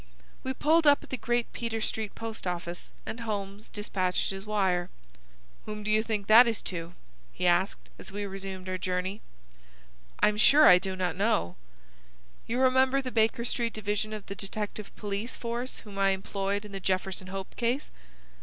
We pulled up at the Great Peter Street post office, and Holmes despatched his wire. "Whom do you think that is to?" he asked, as we resumed our journey. "I am sure I don't know." "You remember the Baker Street division of the detective police force whom I employed in the Jefferson Hope case?"